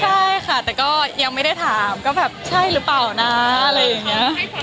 ใช่ค่ะแต่ก็ยังไม่ได้ถามก็แบบใช่หรือเปล่านะอะไรอย่างนี้